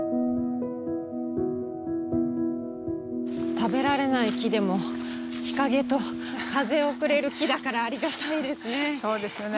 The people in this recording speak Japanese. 食べられない木でも日陰と風をくれる木だからありがたいですね。